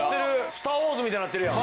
『スター・ウォーズ』みたいになってるやん。